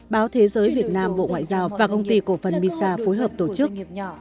báo thế giới việt nam bộ ngoại giao và công ty cổ phần misa phối hợp tổ chức